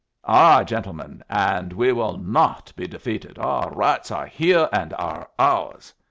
"Aye, gentlemen! And we will not be defeated! Our rights are here and are ours."